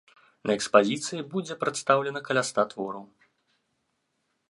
На экспазіцыі будзе прадстаўлена каля ста твораў.